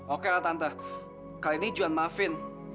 oke lah tante kali ini juhan maafin